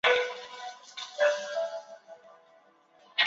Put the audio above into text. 浙江象山县吴公开科之墓